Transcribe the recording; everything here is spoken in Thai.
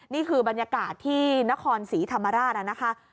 นี่คือบรรยากาศที่นครศรีธรรมราชนะคะ